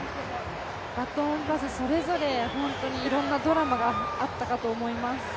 バトンパス、それぞれいろんなドラマがあったかと思います。